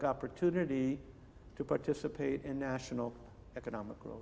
untuk berpartisipasi dalam perkembangan ekonomi nasional